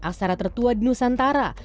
aksara tertua di nusantara